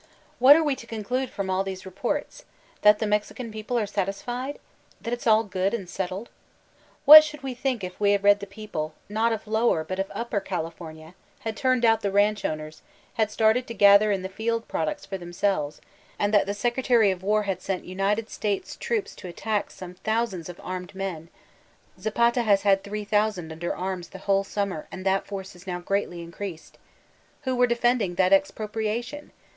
What are we to conclude from all these reports? That the Mexican people are satisfied? That it's all good and settled ? What should we think if we read that the peo ple, not of Lower but of Upper, California had turned out the ranch owners, had started to gather in the field products for themselves and that the Secretary of War had sent United States troops to attack some thousands of armed men (Zapata has had 3,000 under arms the whole summer and that force is now greatly increased) who were defending that expropriation?